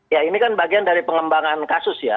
ya ini kan bagian dari pengembangan kasus ya